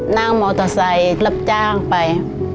นั่งมอเตอร์ไซค์รับจ้างไป